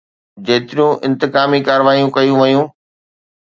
جيتريون انتقامي ڪارروايون ڪيون ويون